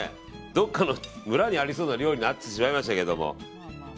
どこかの村にありそうな料理になってしまいましたけども。